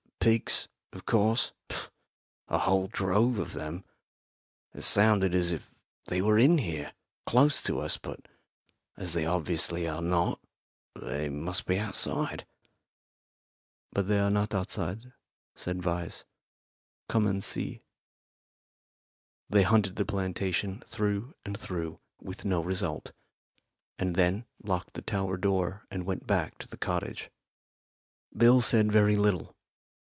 Pigs, of course a whole drove of them. It sounded as if they were in here, close to us. But as they obviously are not, they must be outside." "But they are not outside," said Vyse. "Come and see." They hunted the plantation through and through with no result, and then locked the tower door and went back to the cottage. Bill said very little.